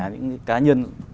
những cá nhân